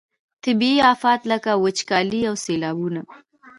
طبیعي آفات لکه وچکالي او سیلابونه.